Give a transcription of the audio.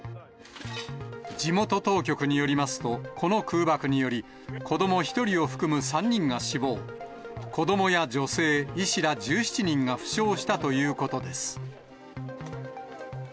地元当局によりますと、この空爆により、子ども１人を含む３人が死亡、子どもや女性、医師ら１７人が負傷したということです。